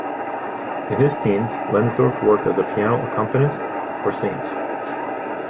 In his teens, Leinsdorf worked as a piano accompanist for singers.